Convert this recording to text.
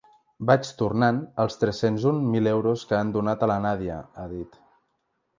Vaig tornant els tres-cents un mil euros que han donat a la Nadia, ha dit.